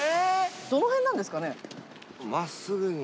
どの辺なんですかね？